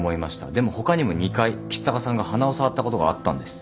でも他にも２回橘高さんが鼻を触ったことがあったんです。